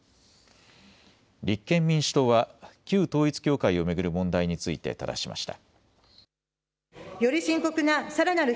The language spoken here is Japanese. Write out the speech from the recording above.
立憲民主党は旧統一教会を巡る問題についてただしました。